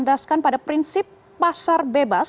dan juga melandaskan pada prinsip pasar bebas